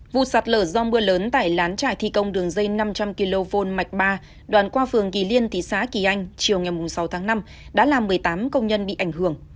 vụ sạt lở do mưa lớn tại lán trải thi công đường dây năm trăm linh kv mạch ba đoạn qua phường kỳ liên thị xã kỳ anh chiều ngày sáu tháng năm đã làm một mươi tám công nhân bị ảnh hưởng